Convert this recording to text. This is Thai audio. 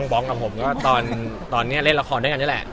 บ้องกับผมก็ตอนตอนนี้เล่นละครด้วยกันแน่